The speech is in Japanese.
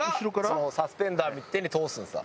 そのサスペンダー手に通すんですわ。